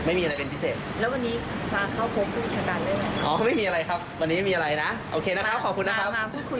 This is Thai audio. ยังมีข้อไหนที่ติดใจสงสัยหรือว่ายังไงครับ